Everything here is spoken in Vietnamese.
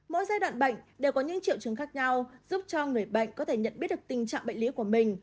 mỗi giai đoạn bệnh đều có những triệu chứng khác nhau giúp cho người bệnh có thể nhận biết được tình trạng bệnh lý của mình